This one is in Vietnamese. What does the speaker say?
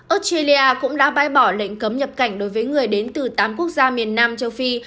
australia cũng đã bãi bỏ lệnh cấm nhập cảnh đối với người đến từ tám quốc gia miền nam châu phi